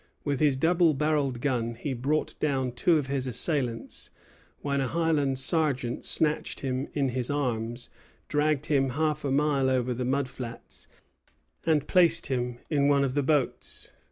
With his double barrelled gun he brought down two of his assailants, when a Highland sergeant snatched him in his arms, dragged him half a mile over the mud flats, and placed him in one of the boats.